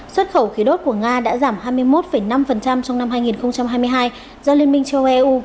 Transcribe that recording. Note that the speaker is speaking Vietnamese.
xuất khẩu khí đốt của nga đã giảm hai mươi một năm trong năm hai nghìn hai mươi hai do liên minh châu âu eu